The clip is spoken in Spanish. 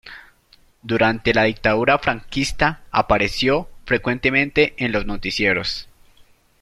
Durante la dictadura franquista apareció frecuentemente en los noticieros.